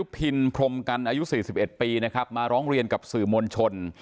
พินพรมกันอายุ๔๑ปีนะครับมาร้องเรียนกับสื่อมวลชน